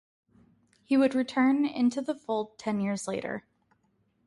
He would return into the fold ten years later.